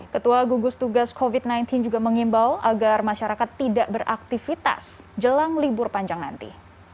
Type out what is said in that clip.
ketua gugus tugas covid sembilan belas juga mengimbau agar masyarakat tidak beraktivitas jelang libur panjang nanti